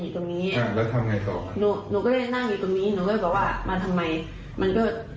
เขาก็เข้ามายิงอยู่ตรงนี้หนูก็เล่นนั่งอยู่ตรงนี้